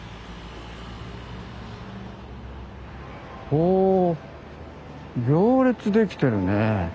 お行列できてるね。